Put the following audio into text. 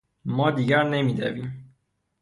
ما دیگر نمی دویم.